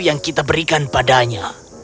yang kita berikan padanya